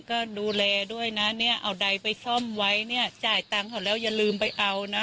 ก็ดูแลด้วยนะเนี่ยเอาใดไปซ่อมไว้เนี่ยจ่ายตังค์เขาแล้วอย่าลืมไปเอานะ